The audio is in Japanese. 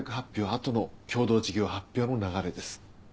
あとの共同事業発表の流れです。